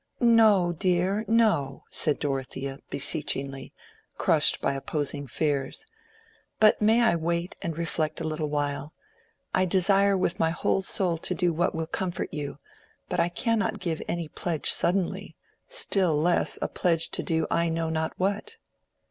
"No, dear, no!" said Dorothea, beseechingly, crushed by opposing fears. "But may I wait and reflect a little while? I desire with my whole soul to do what will comfort you; but I cannot give any pledge suddenly—still less a pledge to do I know not what."